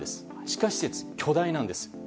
地下施設が巨大なんです。